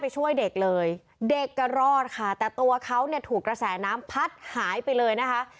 ช่วยเด็กเลยเด็กก็รอดค่ะแต่ตัวเขาเนี่ยถูกกระแสน้ำพัดหายไปเลยนะคะ